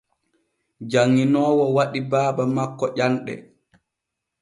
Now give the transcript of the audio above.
Janŋinoowo waɗi baaba makko ƴanɗe.